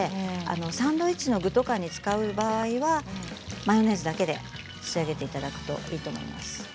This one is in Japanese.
サンドイッチの具に使う場合はマヨネーズだけで仕上げていただければと思います。